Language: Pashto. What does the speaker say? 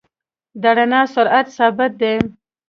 د رڼا سرعت ثابت دی.